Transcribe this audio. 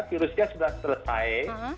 virusnya sudah selesai